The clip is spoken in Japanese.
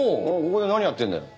ここで何やってるんだよ？